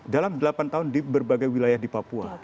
dalam delapan tahun di berbagai wilayah di papua